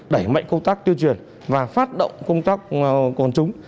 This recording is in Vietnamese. đẩy mạnh công tác tuyên truyền và phát động công tác của con chúng